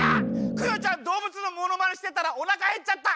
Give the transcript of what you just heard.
クヨちゃんどうぶつのものまねしてたらおなかへっちゃった！